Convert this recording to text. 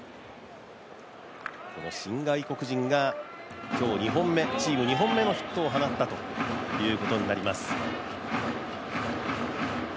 この新外国人が今日チーム２本目のヒットを放ったことになります。